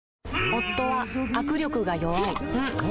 夫は握力が弱い